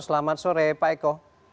selamat sore pak eko